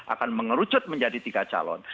akan mengerucut menjadi tiga calon